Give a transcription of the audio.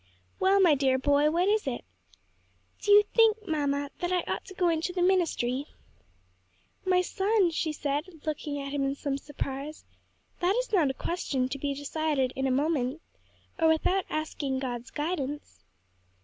"Well, my dear boy, what is it?" "Do you think, mamma, that I ought to go into the ministry?" "My son," she said, looking at him in some surprise, "that is not a question to be decided in a moment, or without asking God's guidance."